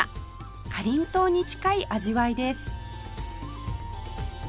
かりんとうに近い味わいです